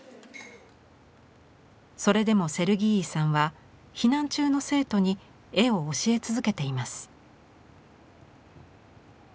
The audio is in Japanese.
それでもセルギーイさんは避難中の生徒に絵を教え続けています。